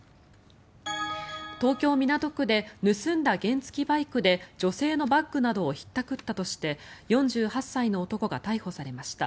東京・港区で盗んだ原付きバイクで女性のバッグなどをひったくったとして４８歳の男が逮捕されました。